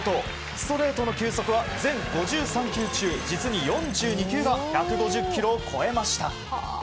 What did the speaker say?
ストレートの球速は全５３球中実に４２球が１５０キロを超えました。